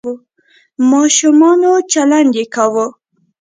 ماشومانه چلند یې کاوه .